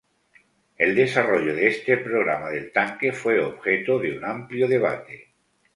El desarrollo de este programa del tanque fue objeto de un amplio debate.